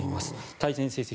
対戦成績